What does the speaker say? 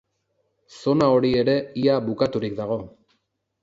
Zona hori ere ia bukaturik dago.